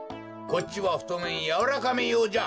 こっちはふとめんやわらかめようじゃ！